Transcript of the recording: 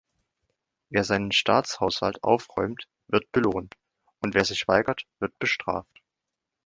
Wer seinen Staatshaushalt aufräumt, wird belohnt, und wer sich weigert, wird bestraft!